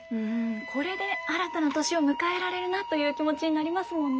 これで新たな年を迎えられるなという気持ちになりますもんね。